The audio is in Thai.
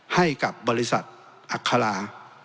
ให้กับบริษัทอัครา